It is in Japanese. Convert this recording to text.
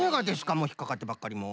もうひっかかってばっかりもう。